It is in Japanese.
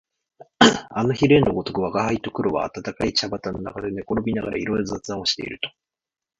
ある日例のごとく吾輩と黒は暖かい茶畠の中で寝転びながらいろいろ雑談をしていると、